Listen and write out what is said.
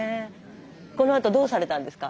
このあとどうされたんですか？